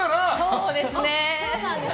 そうですね。